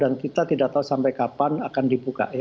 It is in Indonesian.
dan kita tidak tahu sampai kapan akan dibuka